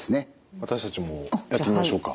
私たちもやってみましょうか。